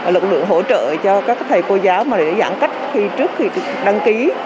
lực lượng hỗ trợ cho các thầy cô giáo mà để giãn cách khi trước khi đăng ký